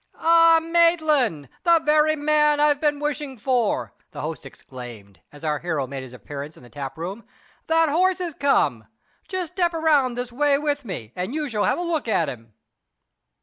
"Ah, Maitland! the very man I've been wishing for," the host exclaimed, as our hero made his appearance in the tap room. "That horse has come. Just step around this way with me, and you shall have a look at him."